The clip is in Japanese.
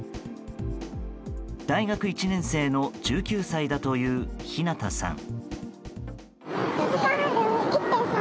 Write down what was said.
大学１年生の１９歳だというひなたさん。